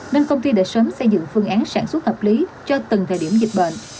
nên công ty đã sớm xây dựng phương án sản xuất hợp lý cho từng thời điểm dịch bệnh